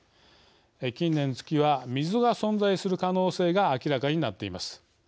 近年、月は水が存在する可能性が明らかになっています。